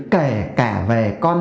kể cả về con